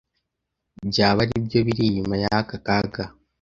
byaba ari byo biri inyuma y'aka kaga,